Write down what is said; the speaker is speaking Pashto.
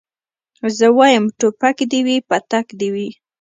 زه وايم ټوپک دي وي پتک دي وي